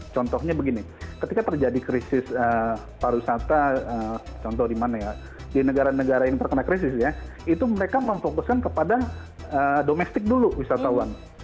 contohnya begini ketika terjadi krisis pariwisata contoh di mana ya di negara negara yang terkena krisis ya itu mereka memfokuskan kepada domestik dulu wisatawan